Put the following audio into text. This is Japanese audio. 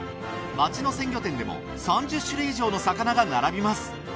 町の鮮魚店でも３０種類以上の魚が並びます。